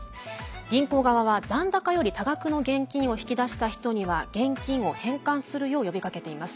銀行側は残高より多額の現金を引き出した人には現金を返還するよう呼びかけています。